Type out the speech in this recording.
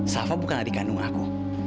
safa bukan adik kandung aku